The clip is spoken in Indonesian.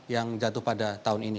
yang jatuh pada tahun ini